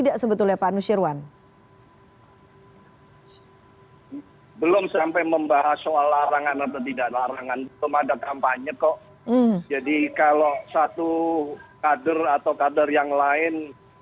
ketua dpp pdi perjuangan